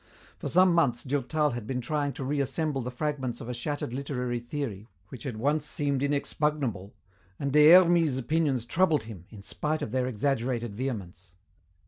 For some months Durtal had been trying to reassemble the fragments of a shattered literary theory which had once seemed inexpugnable, and Des Hermies's opinions troubled him, in spite of their exaggerated vehemence.